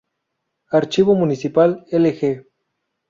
Archivo Municipal Lg.